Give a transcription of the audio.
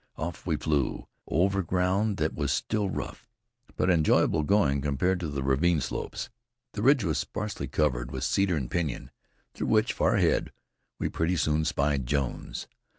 Off we flew, over ground that was still rough, but enjoyable going compared to the ravine slopes. The ridge was sparsely covered with cedar and pinyon, through which, far ahead, we pretty soon spied Jones.